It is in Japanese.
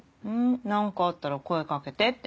何かあったら声かけてって。